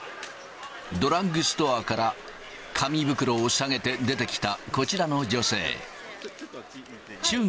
ドラッグストアから、紙袋を提げて出てきた、こちらの女性。